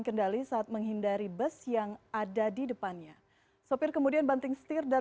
kendali saat menghindari bus yang ada di depannya sopir kemudian banting setir dan